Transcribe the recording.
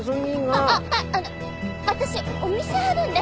ああの私お店あるんで。